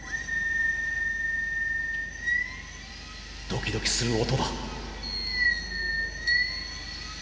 ドキドキする音だ。